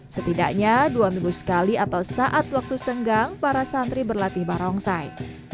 setidaknya dua minggu sekali atau saat waktu senggang para santri berlatih barongsai